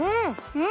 うん！